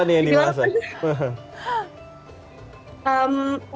fokusnya untuk masakan masakan yang memang berbeda